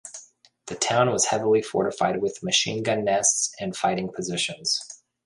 The town was heavily fortified with machine gun nests and fighting positions.